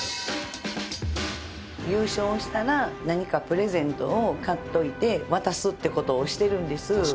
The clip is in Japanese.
優勝したら何かプレゼントを買っといて渡すってことをしてるんです